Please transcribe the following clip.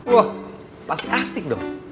wah pasti asik dong